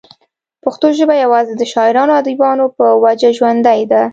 پښتو ژبه يوازې دَشاعرانو او اديبانو پۀ وجه ژوندۍ ده